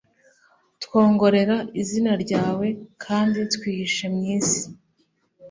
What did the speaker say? twongorera izina ryawe, kandi twihishe mwisi